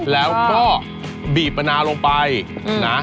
แล้วก็บีบมะนาวลงไปนะ